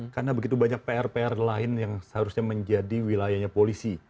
karena begitu banyak pr pr lain yang seharusnya menjadi wilayahnya polisi